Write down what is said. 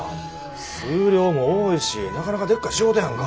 数量も多いしなかなかでっかい仕事やんか。